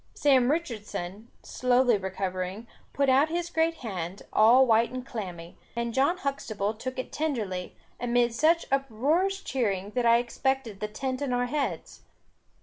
Sam Richardson, slowly recovering, put out his great hand, all white and clammy, and John Huxtable took it tenderly, amid such uproarious cheering, that I expected the tent on our heads.